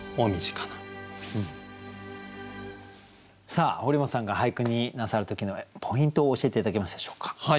さあ堀本さんが俳句になさる時のポイントを教えて頂けますでしょうか。